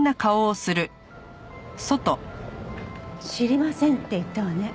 「知りません」って言ったわね。